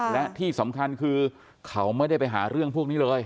และที่สำคัญคือเขาไม่ได้ไปหาเรื่องพวกนี้เลย